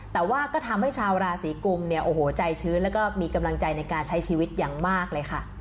แต่ว่าก็ทำให้ชาวราศีกุมเนี่ยโอ้โหใจชื้นแล้วก็มีกำลังใจในการใช้ชีวิตอย่างมากเลยค่ะ